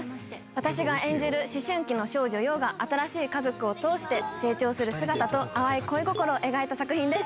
私が演じる主人公、陽が新しい家族を通して成長する姿と淡い恋心を描いた作品です。